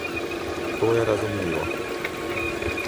To je razumljivo.